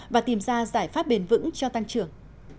và tìm ra giải pháp bền vững cho tăng trưởng